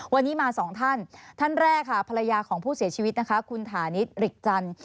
วันนี้มาสองท่านท่านแรกค่ะภรรยาของผู้เสียชีวิตนะคะคุณฐานิสริกจันทร์